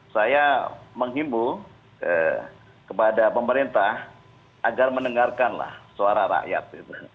saya menghimbau kepada pemerintah agar mendengarkanlah suara rakyat